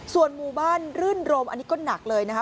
ส่วนหมู่บ้านรื่นรมอันนี้ก็หนักเลยนะคะ